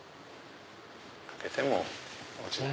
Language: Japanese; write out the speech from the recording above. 掛けても落ちない。